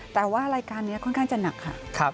แต่ว่ารายการนี้ค่อนข้างจะหนักค่ะ